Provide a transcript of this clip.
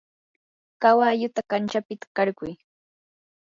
kawalluta kanchapita qarquy.